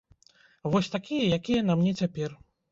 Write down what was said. Вось такія, якія на мне цяпер.